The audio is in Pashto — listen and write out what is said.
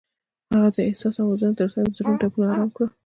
هغې د حساس اوازونو ترڅنګ د زړونو ټپونه آرام کړل.